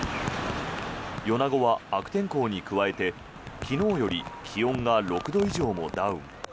米子は悪天候に加えて昨日よりも気温が６度以上もダウン。